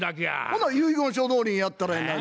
ほな遺言書どおりにやったらええがな。